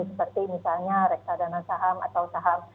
seperti misalnya reksadana saham atau saham